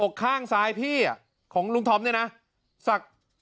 อกข้างซ้ายพี่ของลุงท้อมเนี่ยนะ